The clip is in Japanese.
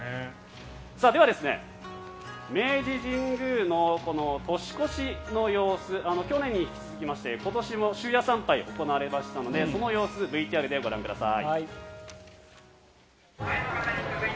では、明治神宮の年越しの様子去年に続きまして今年も終夜参拝行われましたのでその様子をＶＴＲでご覧ください。